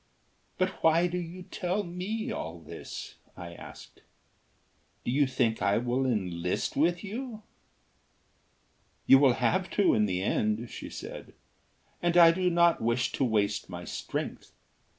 "But why do you tell me all this?" I asked. "Do you think I will enlist with you?" "You will have to in the end," she said, "and I do not wish to waste my strength.